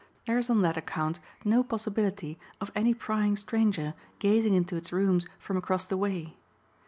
There is on that account no possibility of any prying stranger gazing into its rooms from across the way.